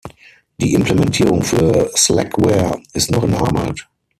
Die Implementierung für "Slackware" ist noch in Arbeit.